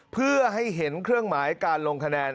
เพื่อให้เห็นเครื่องหมายการลงคะแนน